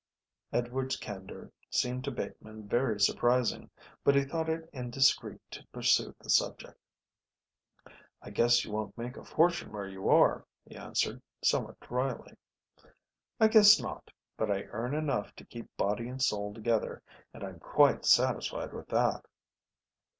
Edward's candour seemed to Bateman very surprising, but he thought it indiscreet to pursue the subject. "I guess you won't make a fortune where you are," he answered, somewhat dryly. "I guess not. But I earn enough to keep body and soul together, and I'm quite satisfied with that."